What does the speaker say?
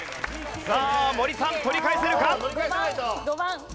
さあ森さん取り返せるか！？